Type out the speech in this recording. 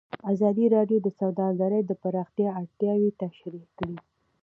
ازادي راډیو د سوداګري د پراختیا اړتیاوې تشریح کړي.